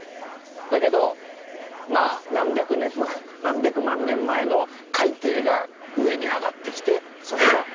だけどまあ何百年前何百万年前の海底が上に上がってきてそれがなってるっていう。